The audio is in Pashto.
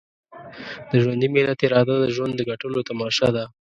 د ژوندي ملت اراده د ژوند د ګټلو تماشه ده.